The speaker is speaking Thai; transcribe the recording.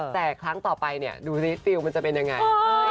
แต่ครั้งต่อไปดูสิตีวมันจะเป็นยังไง